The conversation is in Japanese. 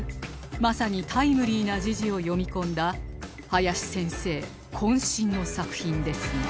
まさにタイムリーな時事を詠み込んだ林先生渾身の作品ですが